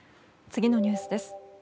次のニュースです。